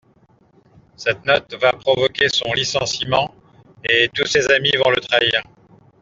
Cette note va provoquer son licenciement et tous ses amis vont le trahir.